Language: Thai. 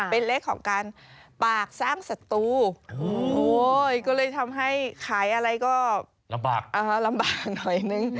เป็นเลขของการปากสร้างสัตว์ก็เลยทำให้ขายอะไรก็ลำบากอ่าว้าว